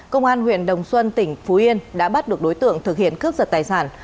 công an huyện đồng xuân tỉnh phú yên đã bắt được đối tượng thực hiện cướp giật tài sản